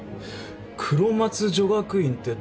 黒松女学院って確か。